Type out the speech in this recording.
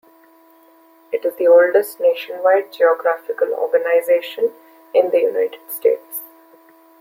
It is the oldest nationwide geographical organization in the United States.